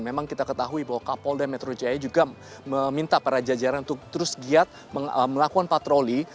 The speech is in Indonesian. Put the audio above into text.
memang kita ketahui bahwa kapolda metro jaya juga meminta para jajaran untuk terus giat melakukan patroli